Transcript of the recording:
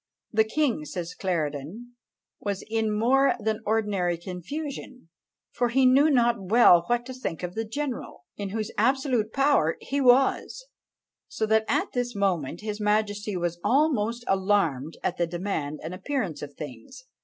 "The king," says Clarendon, "was in more than ordinary confusion, for he knew not well what to think of the general, in whose absolute power he was so that at this moment his majesty was almost alarmed at the demand and appearance of things."